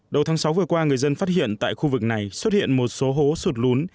đầu tháng sáu vừa qua người dân phát hiện tại khu vực này xuất hiện một số hố sụt lún